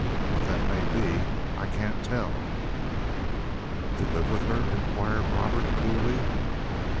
What that may be, I can't tell." "To live with her?" inquired Robert coolly.